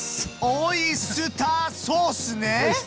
オイスターソース！